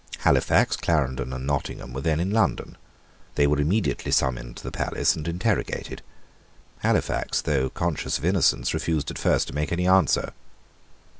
Halifax, Clarendon, and Nottingham were then in London. They were immediately summoned to the palace and interrogated. Halifax, though conscious of innocence, refused at first to make any answer.